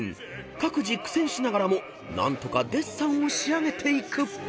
［各自苦戦しながらも何とかデッサンを仕上げていく］